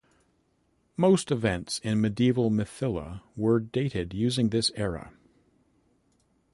Most events in medieval Mithila were dated using this era.